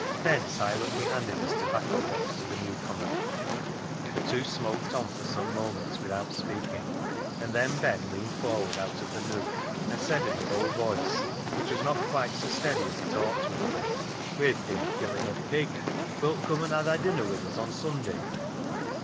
Ben silently handed his tobacco box to the newcomer. The two smoked on for some moments without speaking; and then Ben leaned forward out of the nook and said in a low voice, which was not quite so steady as it ought to have been —" We've bin killin' a pig ; wilt come an' ha' thy dinner wi' us o' Sunday